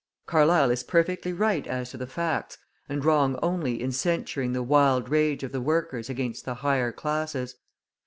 Carlyle is perfectly right as to the facts and wrong only in censuring the wild rage of the workers against the higher classes.